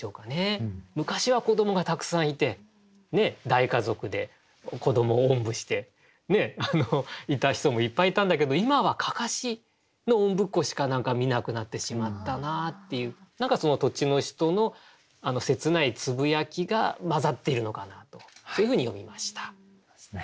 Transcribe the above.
昔は子どもがたくさんいて大家族で子どもをおんぶしていた人もいっぱいいたんだけど今は案山子のおんぶっ子しか見なくなってしまったなっていう何かその土地の人の切ないつぶやきが混ざっているのかなとそういうふうに読みました。